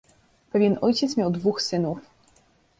"Pewien ojciec miał dwóch synów."